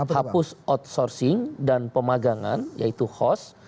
hapus outsourcing dan pemagangan yaitu host